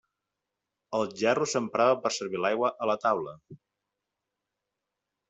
El gerro s'emprava per servir l'aigua a taula.